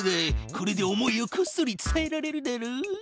これで思いをこっそり伝えられるだろう。